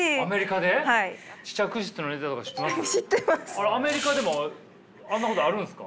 あれアメリカでもあんなことあるんですか？